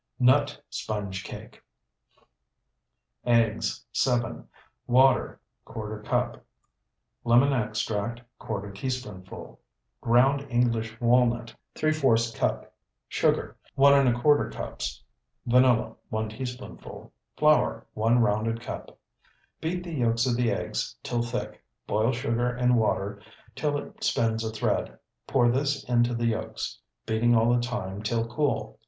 NUT SPONGE CAKE Eggs, 7. Water, ¼ cup. Lemon extract, ¼ teaspoonful. Ground English walnut, ¾ cup. Sugar, 1¼ cups. Vanilla, 1 teaspoonful. Flour, 1 rounded cup. Beat the yolks of the eggs till thick; boil sugar in water till it spins a thread. Pour this into the yolks, beating all the time till cool.